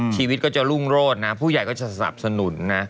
ชีวิตก็จะรุ่งโรดนะผู้ใหญ่ก็จะสนับสนุนนะ